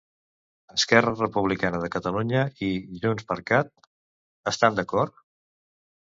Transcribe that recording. Esquerra Republicana de Catalunya i JxCat estan d'acord?